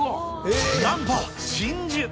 なんと真珠。